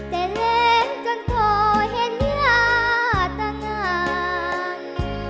แต่เล่นกันก็เห็นยาตงาน